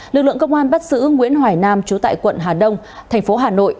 lực lượng công an bắt giữ nguyễn hoài nam trú tại quận hà đông thành phố hà nội